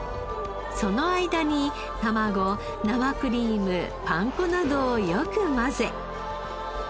その間に卵生クリームパン粉などをよく混ぜ。